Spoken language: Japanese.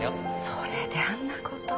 それであんな事を。